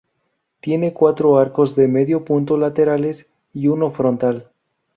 Tiene cuatro arcos de medio punto laterales y uno frontal.